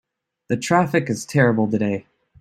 The traffic is terrible today.